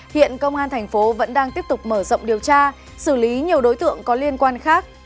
hiện công an thành phố vẫn đang tiếp tục mở rộng điều tra xử lý nhiều đối tượng có liên quan khác